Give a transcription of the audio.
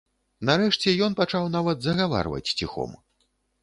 Нарэшце ён пачаў нават загаварваць ціхом.